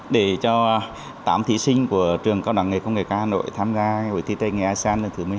để cho tám thí sinh của trường cao đẳng nghề công nghệ cao hà nội tham gia hội thi tây nghề asean lần thứ một mươi hai